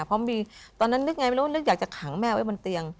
เพราะมีตอนนั้นนึกไงไม่รู้นึกอยากจะขังแม่ไว้บนเตียง